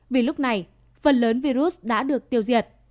vì lúc này phần lớn virus đã được tiêu diệt